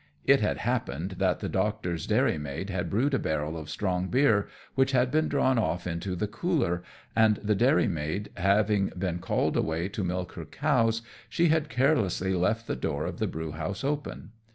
It had happened that the Doctor's dairy maid had brewed a barrel of strong beer, which had been drawn off into the cooler; and the dairy maid having been called away to milk her cows, she had carelessly left the door of the brewhouse open.